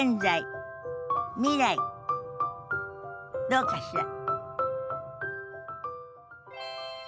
どうかしら？